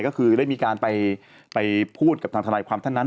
ก็คือได้มีการไปพูดกับทางทนายความท่านนั้น